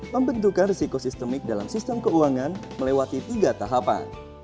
pembentukan risiko sistemik dalam sistem keuangan melewati tiga tahapan